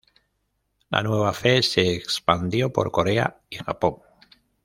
La nueva fe se expandió por Corea y Japón.